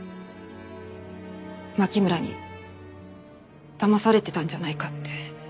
牧村にだまされてたんじゃないかって。